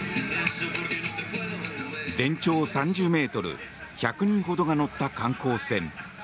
全長３０ｍ１００人ほどが乗った観光船。